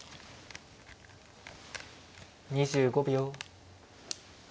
２５秒。